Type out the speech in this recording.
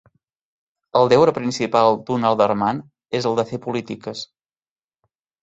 El deure principal d'un alderman és el de fer polítiques.